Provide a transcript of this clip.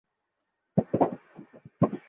আমরা চাইলে যে কোনও কিছুই করতে পারি!